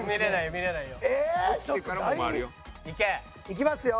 いきますよ。